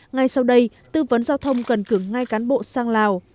ngay sau đây tư vấn giao thông cần cử ngay cán bộ sang lào